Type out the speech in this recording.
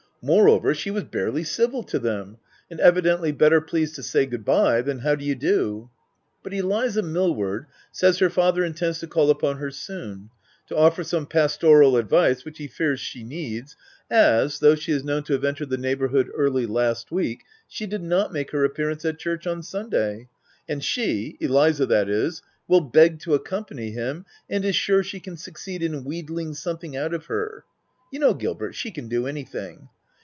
Moreover, she was barely civil to them, and evidently better pleased to say e good by/ than i how do you do/ But Eliza Millward says her father intends to call upon her soon, to offer some pastoral advice, which he fears she needs, as though she is known to have entered the neigbourhood early last week, she did not make her appearance at church on Sunday ; 14 THE TENANT and she — Eliza, that is — will beg to accompany him, and is sure she can succeed in wheedling something out of her—you know, Gilbert, she can do anything.